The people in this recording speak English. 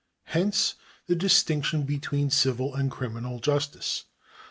Hence the distinction between civil and criminal justice.